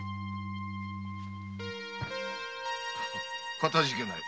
かたじけない。